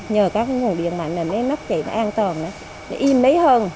nhờ các nguồn điện mạnh là mấy nắp chạy nó an toàn nó im mấy hơn